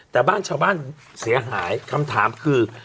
แต่บ้านชาวบ้านเสียหายคำถามคือ